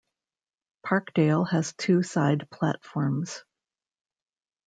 Parkdale has two side platforms.